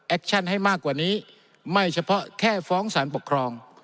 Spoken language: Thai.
ให้มากกว่านี้ไม่เฉพาะแค่ฟ้องสารปกครอง